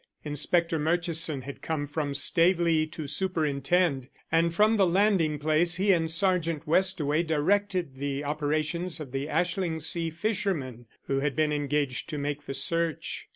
Inspector Murchison had come from Staveley to superintend, and from the landing place he and Sergeant Westaway directed the operations of the Ashlingsea fishermen who had been engaged to make the search.